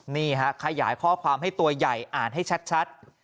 นี่ฮะขยายข้อความให้ตัวใหญ่อ่านให้ชัด